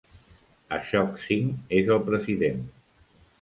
Ashok Singh és el president.